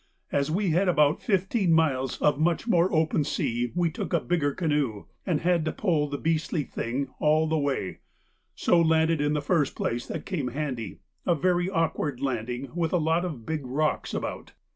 As we had about fifteen miles of much more open sea we took a bigger canoe, and had to pull the beastly thing all the way, so landed in the first place which came handy, a very awkward landing with a lot of big rocks about.